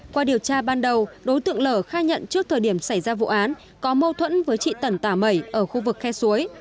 qua điều tra ban đầu đối tượng lở khai nhận trước thời điểm xảy ra vụ án có mâu thuẫn với chị tần tà mẩy ở khu vực khe suối